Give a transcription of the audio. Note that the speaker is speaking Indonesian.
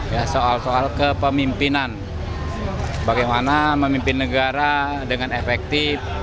ya soal soal kepemimpinan bagaimana memimpin negara dengan efektif